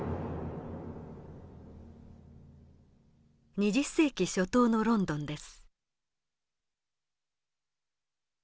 ２０世紀初頭のロンドンです。